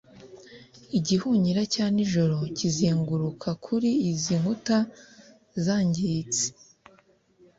igihunyira cya nijoro kizenguruka kuri izi nkuta zangiritse